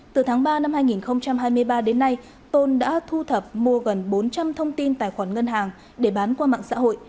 từ tháng ba năm hai nghìn hai mươi ba đến nay tôn đã thu thập mua gần bốn trăm linh thông tin tài khoản ngân hàng để bán qua mạng xã hội